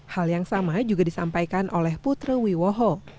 hal yang sama juga disampaikan oleh putri wiwoho